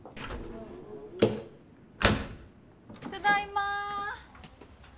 ただいまー。